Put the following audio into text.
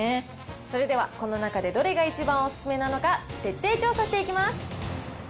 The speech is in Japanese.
それではこの中でどれが一番お勧めなのか、徹底調査していきます。